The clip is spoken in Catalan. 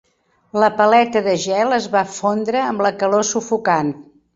La paleta de gel es va fondre amb la calor sufocant.